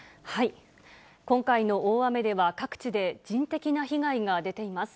今回の大雨では、各地で人的な被害が出ています。